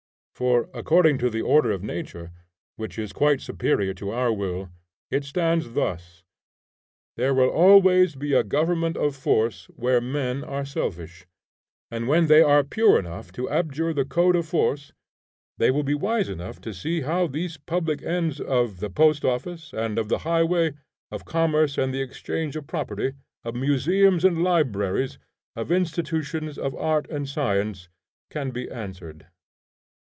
For, according to the order of nature, which is quite superior to our will, it stands thus; there will always be a government of force where men are selfish; and when they are pure enough to abjure the code of force they will be wise enough to see how these public ends of the post office, of the highway, of commerce and the exchange of property, of museums and libraries, of institutions of art and science can be answered.